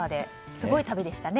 すごい旅でしたね。